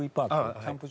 キャンプ場？」